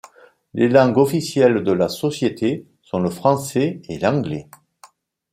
Les langues officielles de la Société sont le français et l'anglais.